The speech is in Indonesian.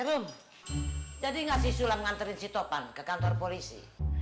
rum jadi gak sih sulam ngantriin si topan ke kantor polisi